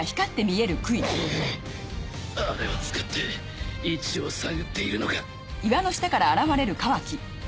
あれを使って位置を探っているのか